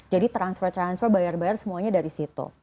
jadi transfer transfer bayar bayar semuanya dari situ